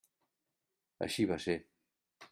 Així va ser.